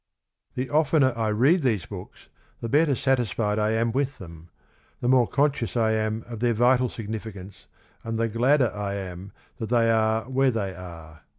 The oftener I read these books the better satisfied I am with them, the more conscious I am of their vital significance, and the gladder I am that they are where they are.